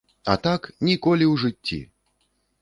А так, ніколі ў жыцці!